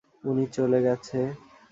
উনি চলে গেছে।